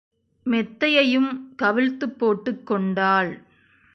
மெத்தையையும் கவிழ்த்துப் போட்டுக் கொண்டாள்.